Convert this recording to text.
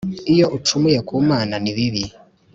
iyo ucumuye kumana ni bibi